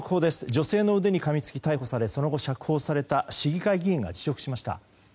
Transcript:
女性の腕にかみつき逮捕されその後、釈放された市議会議員が辞職しました。